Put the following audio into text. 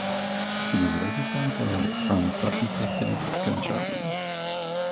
He was later found dead from a self-inflicted gunshot wound.